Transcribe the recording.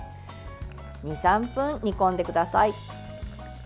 ２３分、煮込んでください。